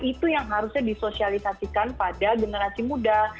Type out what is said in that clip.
itu yang harusnya disosialisasikan pada generasi muda